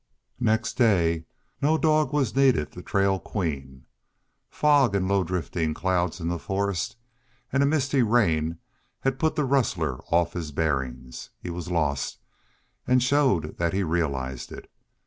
Next day no dog was needed to trail Queen. Fog and low drifting clouds in the forest and a misty rain had put the rustler off his bearings. He was lost, and showed that he realized it.